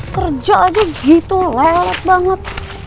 kerja aja gitu lewat banget